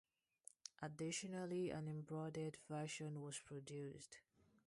Additionally, an embroided version was produced.